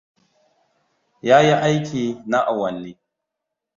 Ya yi aiki na awanni.